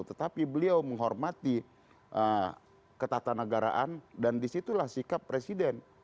tetapi beliau menghormati ketatanegaraan dan disitulah sikap presiden